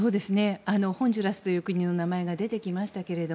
ホンジュラスという国の名前が出てきましたけど